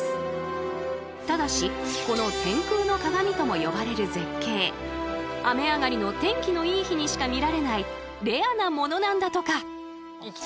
ただしこの「天空の鏡」とも呼ばれる絶景雨上がりの天気のいい日にしか見られないレアなものなんだとか。